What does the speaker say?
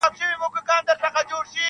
دا تر پښو لاندي قبرونه -